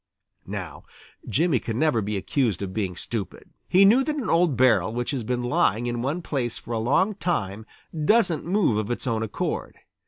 Now Jimmy can never be accused of being stupid. He knew that an old barrel which has been lying in one place for a long time doesn't move of its own accord.